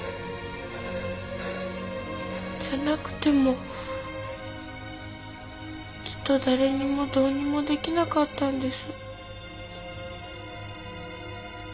じゃなくてもきっと誰にもどうにもできなかったんです。